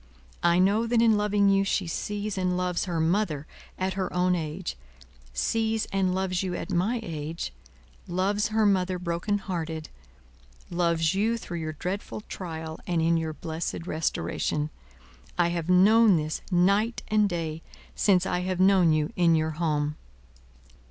I know that in loving you she sees and loves her mother at her own age, sees and loves you at my age, loves her mother broken hearted, loves you through your dreadful trial and in your blessed restoration. I have known this, night and day, since I have known you in your home."